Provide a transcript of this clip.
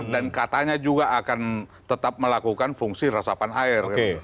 dan katanya juga akan tetap melakukan fungsi resapan air